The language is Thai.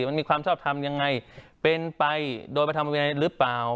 มันมีความชอบทำอย่างไรเป็นไปโดยภาษณ์มหาทัพมนินติกภาพรึเปล่า